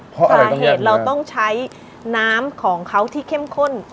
สาเหตุเราต้องใช้น้ำของเขาที่เข้มข้น